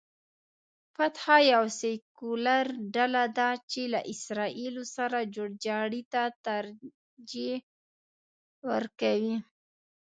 فتح یوه سیکولر ډله ده چې له اسراییلو سره جوړجاړي ته ترجیح ورکوي.